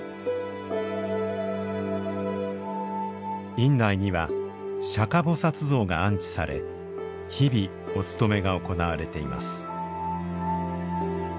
院内には釈迦菩薩像が安置され日々お勤めが行われています。